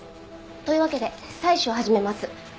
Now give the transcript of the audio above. というわけで採取を始めます。